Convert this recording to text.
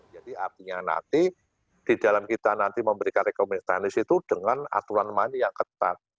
jadi artinya nanti di dalam kita nanti memberikan rekomendasi di situ dengan aturan main yang ketat